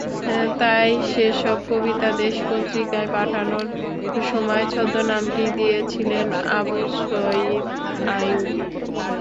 তাই সেসব কবিতা দেশ পত্রিকায় পাঠানোর সময় ছদ্মনামটি দিয়েছিলেন আবু সয়ীদ আইয়ুবই।